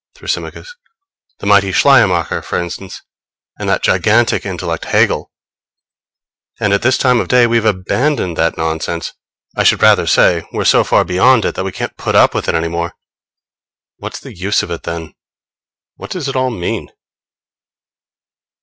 Thrasymachos. The mighty Schleiermacher, for instance, and that gigantic intellect, Hegel; and at this time of day we've abandoned that nonsense. I should rather say we're so far beyond it that we can't put up with it any more. What's the use of it then? What does it all mean?